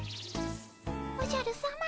おじゃるさま。